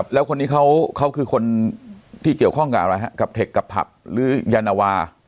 แล้วคนนี้เขาคือคนที่เกี่ยวข้องกับอะไรฮะกับเทคกับผับหรือยานวา